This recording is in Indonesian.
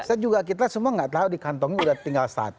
saya juga kita semua tidak tahu di kantongnya sudah tinggal satu dua tiga